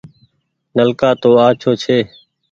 نلڪآ تو آڇو ڇي ۔